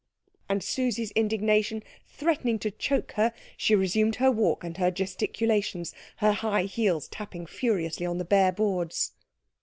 And Susie's indignation threatening to choke her, she resumed her walk and her gesticulations, her high heels tapping furiously on the bare boards.